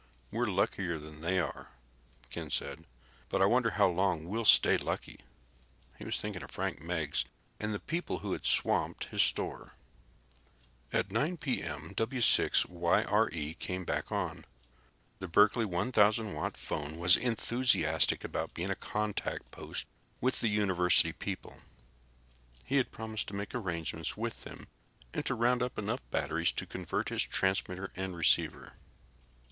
We're luckier than they are," Ken said, "but I wonder how long we'll stay lucky." He was thinking of Frank Meggs, and the people who had swamped his store. At 9 p.m., W6YRE came back on. The Berkeley 1000 watt phone was enthusiastic about being a contact post with the university people. He had promised to make arrangements with them and to round up enough batteries to convert his transmitter and receiver.